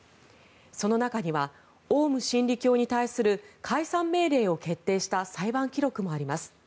その中にはオウム真理教に対する解散命令を決定した裁判記録もあります。